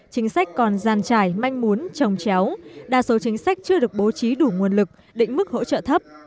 chính sách còn gian trải manh muốn trồng chéo đa số chính sách chưa được bố trí đủ nguồn lực định mức hỗ trợ thấp